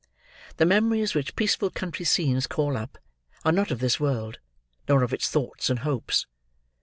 The memories which peaceful country scenes call up, are not of this world, nor of its thoughts and hopes.